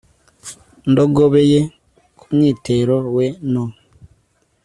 ndogobe ye ku mwitero we no